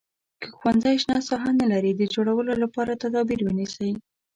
که ښوونځی شنه ساحه نه لري د جوړولو لپاره تدابیر ونیسئ.